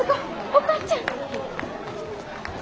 お母ちゃん！